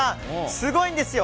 すごいんですよ